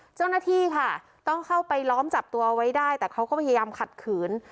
เจ้าหน้าที่ค่ะต้องเข้าไปล้อมจับตัวไว้ได้แต่เขาก็พยายามขัดขืน